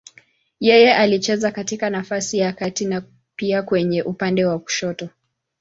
Yeye alicheza katika nafasi ya kati na pia kwenye upande wa kushoto.